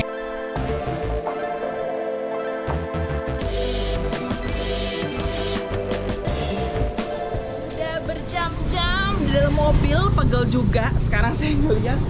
sudah berjam jam di dalam mobil pegel juga sekarang saya ingin lihat